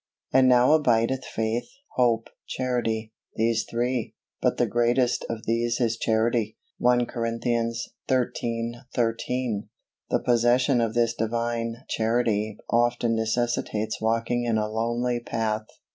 And now abideth faith, hope, charity, these three; but the greatest of these is charity. I COR. xiii. 13. _The possession of this Divine Charity often necessitates walking in a lonely path.